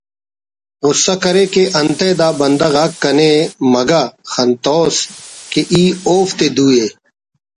غصہ کرے کہ انتئے دا بندغ آک کنے مگہ خنتوس کہ ای اوفتے دو ءِ